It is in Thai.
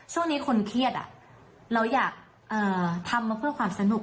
ช่วงนี้คนเครียดเราอยากทำมาเพื่อความสนุก